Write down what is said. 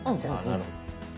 あなるほど。